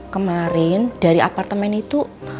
kemarin dari apartemen itu